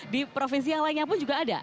di provinsi yang lainnya pun juga ada